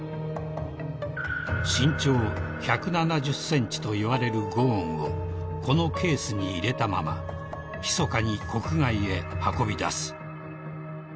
［身長１７０ｃｍといわれるゴーンをこのケースに入れたままひそかに国外へ運び出す］